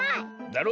だろ？